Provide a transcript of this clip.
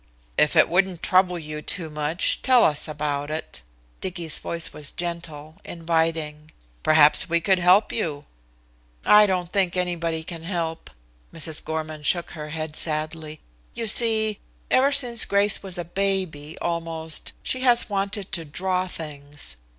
"If it wouldn't trouble you too much, tell us about it." Dicky's voice was gentle, inviting. "Perhaps we could help you." "I don't think anybody can help." Mrs. Gorman shook her head sadly. "You see, ever since Grace was a baby, almost, she has wanted to draw things.